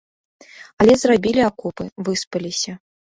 Але зрабілі акопы, выспаліся.